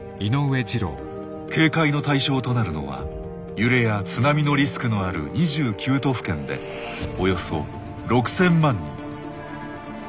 警戒の対象となるのは揺れや津波のリスクのある２９都府県でおよそ６，０００万人。